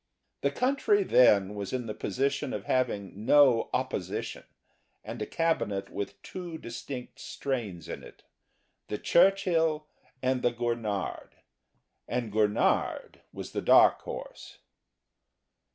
The country, then, was in the position of having no Opposition and a Cabinet with two distinct strains in it the Churchill and the Gurnard and Gurnard was the dark horse.